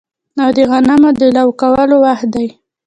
او د غنمو د لو کولو وخت دی